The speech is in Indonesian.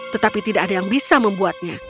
tetapi tidak ada yang bisa membuatnya